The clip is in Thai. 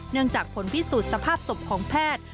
จากผลพิสูจน์สภาพศพของแพทย์